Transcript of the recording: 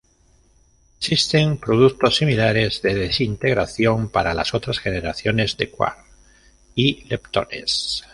Existen productos similares de desintegración para las otras generaciones de quarks y leptones.